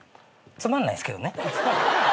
つまんないですけど。